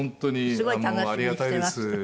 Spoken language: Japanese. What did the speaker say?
すごい楽しみにしてます。